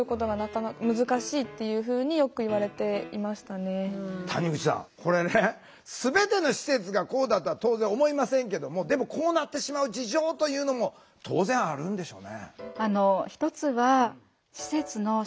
結局は集団生活になるので谷口さんこれね全ての施設がこうだとは当然思いませんけどもでもこうなってしまう事情というのも当然あるんでしょうね。